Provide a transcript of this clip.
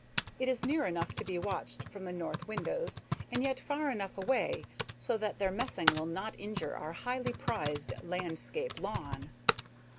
It is near enough to be watched from the north windows, and yet far enough away, so that their messing will not injure our highly prized landscape lawn.